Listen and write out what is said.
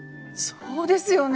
そうですよね！